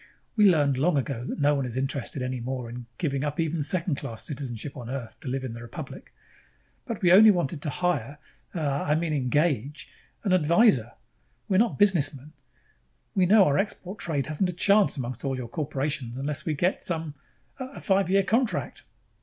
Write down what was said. "We learned long ago that no one is interested any more in giving up even second class citizenship on Earth to live in the Republic. But we only wanted to hire uh, I mean engage an, an advisor. We're not businessmen. We know our export trade hasn't a chance among all your corporations unless we get some a five year contract...?"